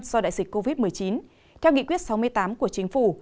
do đại dịch covid một mươi chín theo nghị quyết sáu mươi tám của chính phủ